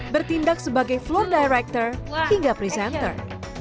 bertindak sebagai floor director hingga presenter